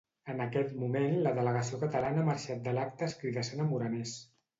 En aquest moment la delegació catalana ha marxat de l'acte escridassant a Morenés.